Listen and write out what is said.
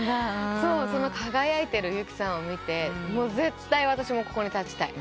その輝いてるＹＵＫＩさんを見て「絶対私もここに立ちたい」